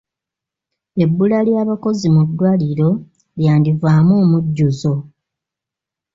Ebbula ly'abakozi mu ddwaliro lyandivaamu omujjuzo.